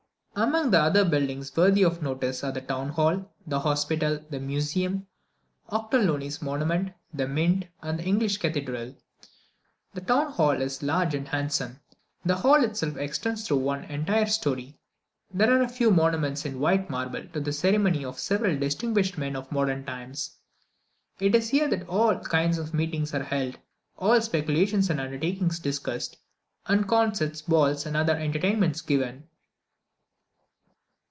Among the other buildings worthy of notice are the Town hall, the Hospital, the Museum, Ochterlony's Monument, the Mint, and the English Cathedral. The Town hall is large and handsome. The hall itself extends through one entire story. There are a few monuments in white marble to the memory of several distinguished men of modern times. It is here that all kinds of meetings are held, all speculations and undertakings discussed, and concerts, balls, and other entertainments given.